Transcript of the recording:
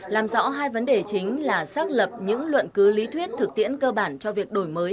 làm rõ hai vấn đề chính là xác lập những luận cứ lý thuyết thực tiễn cơ bản cho việc đổi mới